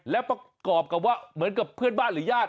และประกอบกับว่าเหมือนกับเพื่อนบ้านหรือญาติ